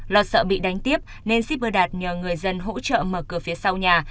lo sợ bị đánh tiếp nên shipper đạt nhờ người dân hỗ trợ mở cửa phía sau nhà